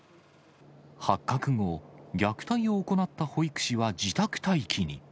発覚後、虐待を行った保育士は自宅待機に。